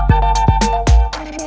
kau mau kemana